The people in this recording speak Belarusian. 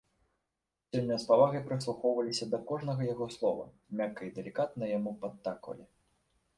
Сёння з павагай прыслухоўваліся да кожнага яго слова, мякка і далікатна яму падтаквалі.